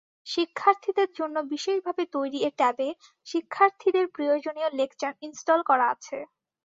শিক্ষার্থীদের জন্য বিশেষভাবে তৈরি এ ট্যাবে শিক্ষার্থীদের প্রয়োজনীয় লেকচার ইনস্টল করা আছে।